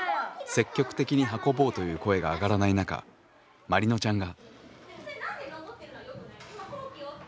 積極的に運ぼうという声が上がらない中まりのちゃんが。